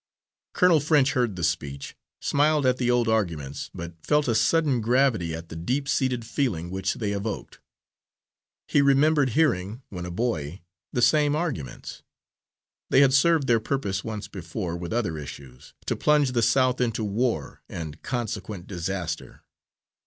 Colonel French heard the speech, smiled at the old arguments, but felt a sudden gravity at the deep seated feeling which they evoked. He remembered hearing, when a boy, the same arguments. They had served their purpose once before, with other issues, to plunge the South into war and consequent disaster.